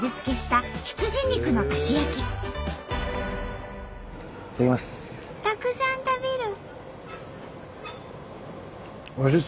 たくさん食べる！